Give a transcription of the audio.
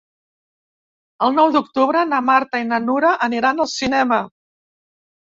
El nou d'octubre na Marta i na Nura aniran al cinema.